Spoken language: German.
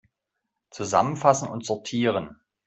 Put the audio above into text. Zusammenfassen und sortieren!